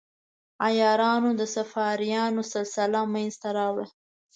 عیارانو د صفاریانو سلسله منځته راوړه.